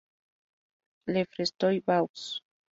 Le Frestoy-Vaux